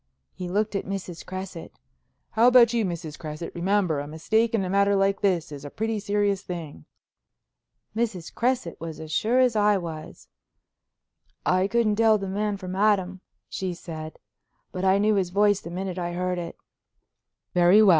He looked at Mrs. Cresset. "How about you, Mrs. Cresset? Remember, a mistake in a matter like this is a pretty serious thing." Mrs. Cresset was as sure as I was. "I couldn't tell the man from Adam," she said, "but I knew his voice the minute I heard it." "Very well.